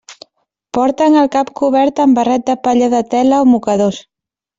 Porten el cap cobert amb barret de palla de tela o mocadors.